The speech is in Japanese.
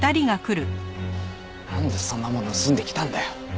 なんでそんなもん盗んできたんだよ！